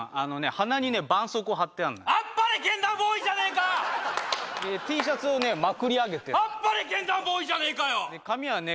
鼻にねばんそうこう貼ってあるの「あっぱれけん玉ボーイ」じゃねえかでＴシャツをねまくり上げて「あっぱれけん玉ボーイ」じゃねえかよ髪はね